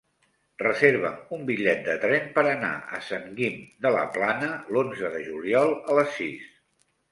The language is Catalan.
Reserva'm un bitllet de tren per anar a Sant Guim de la Plana l'onze de juliol a les sis.